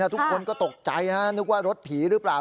ทุกคนก็ตกใจนะนึกว่ารถผีหรือเปล่า